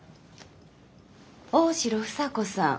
大城房子さん。